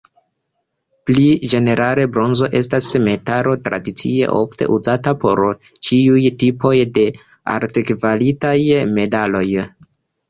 Pli ĝenerale, bronzo estas metalo tradicie ofte uzata por ĉiuj tipoj de altkvalitaj medaloj.